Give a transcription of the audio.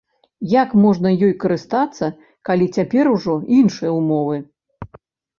Як можна ёй карыстацца, калі цяпер ужо іншыя ўмовы?